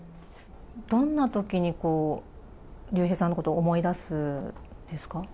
どんなときに竜兵さんのことを思い出すんですか？